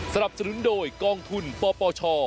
สวัสดีครับ